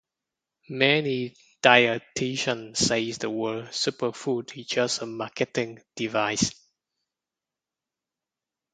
Many dietitians say the word "superfood" is just a marketing device.